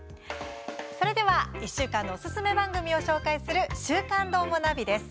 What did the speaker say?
それでは、１週間のおすすめ番組を紹介する「週刊どーもナビ」です。